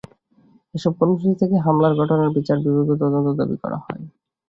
এসব কর্মসূচি থেকে হামলার ঘটনার বিচার বিভাগীয় তদন্ত দাবি করা হয়।